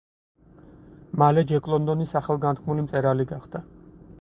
მალე ჯეკ ლონდონი სახელგანთქმული მწერალი გახდა.